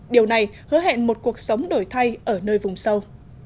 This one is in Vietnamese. điều này hứa hẹn một cuộc sống đổi thay ở nơi vùng sâu